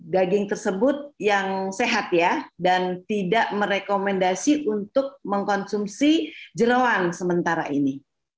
daging tersebut yang sehat ya dan tidak merekomendasi untuk mengkonsumsi jerawan sementara ini